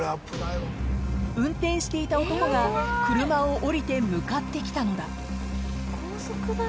［運転していた男が車を降りて向かってきたのだ］